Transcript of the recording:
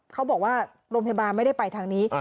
เขาบอกว่าโรงพยาบาลไม่ได้ไปทางนี้